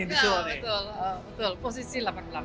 iya betul posisi seribu sembilan ratus delapan puluh delapan